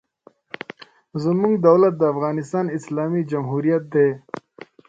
زموږ دولت د افغانستان اسلامي جمهوریت دی.